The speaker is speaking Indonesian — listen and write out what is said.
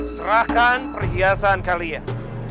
serahkan perhiasan kalian